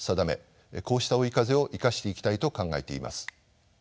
こうした追い風を生かしていきたいと考えています。